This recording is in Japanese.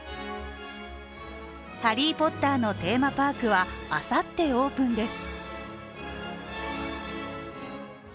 「ハリー・ポッター」のテーマパークはあさってオープンです。